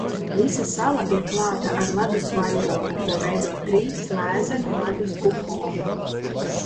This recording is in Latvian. Visa sala ir klāta ar ledus vairogu, ko veido trīs lēzeni ledus kupoli.